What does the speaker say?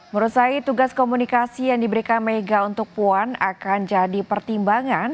menurut saya tugas komunikasi yang diberikan mega untuk puan akan jadi pertimbangan